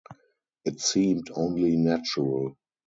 It seemed only natural.